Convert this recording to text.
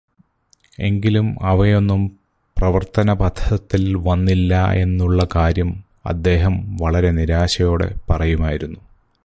എങ്കിലും അവയൊന്നും പ്രവർത്തനപഥത്തിൽ വന്നില്ലായെന്നുള്ള കാര്യം അദ്ദേഹം വളരെ നിരാശയോടെ പറയുമായിരുന്നു.